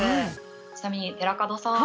ちなみに寺門さん。